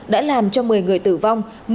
đã làm cho một mươi người tử vong